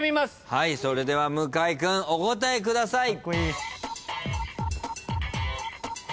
はいそれでは向井君お答えください。